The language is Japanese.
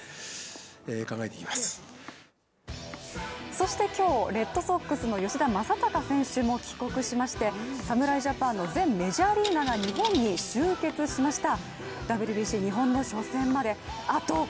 そして今日、レッドソックスの吉田正尚選手も帰国しまして侍ジャパンの全メジャーリーガーが日本に集結しました。